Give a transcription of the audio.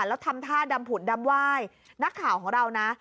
แล้วทำท่าดำผุดดำไหว้นักข่าวของเรานะ